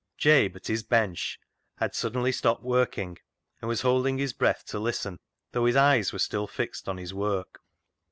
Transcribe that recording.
Jabe, at his bench, had suddenly stopped working, and was holding his breath to listen, though his eyes were still fixed on his work.